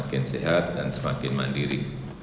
semakin sehat dan semakin mandiri